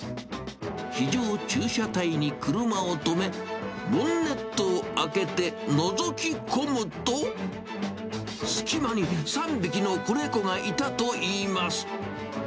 非常駐車帯に車を止め、ボンネットを開けてのぞき込むと、隙間に３匹の子猫がいたといいます。